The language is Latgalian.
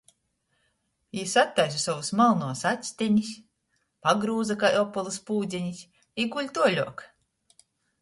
Jis attaisa sovys malnuos actenis, pagrūza kai opolys pūdzenis, i guļ tuoļuok.